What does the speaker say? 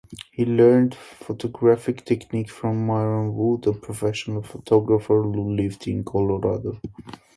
He learned photographic technique from Myron Wood, a professional photographer who lived in Colorado.